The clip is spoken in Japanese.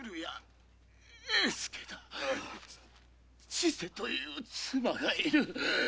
千世という妻がいる。